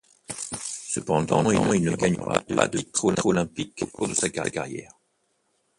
Cependant, il ne gagnera pas de titre olympique au cours de sa carrière.